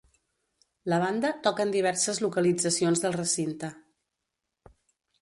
La banda toca en diverses localitzacions del recinte.